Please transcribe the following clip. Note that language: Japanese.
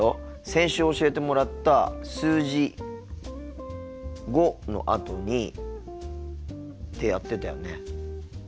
先週教えてもらった数字「５」のあとにってやってたよね。